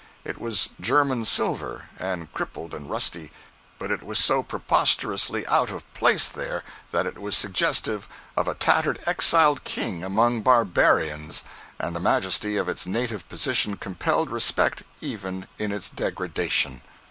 It was German silver, and crippled and rusty, but it was so preposterously out of place there that it was suggestive of a tattered exiled king among barbarians, and the majesty of its native position compelled respect even in its degradation.